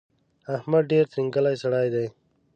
احمد ډېر ترینګلی سړی دی.